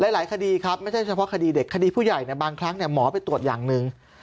หลายคดีครับไม่ใช่เฉพาะคดีเด็กคดีผู้ใหญ่บางครั้งหมอไปตรวจอย่างหนึ่ง